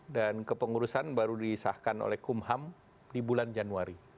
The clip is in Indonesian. dan kepengurusan baru disahkan oleh kumham di bulan januari